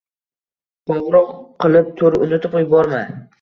Qoʻngʻiroq qilib tur, unutib yuborma.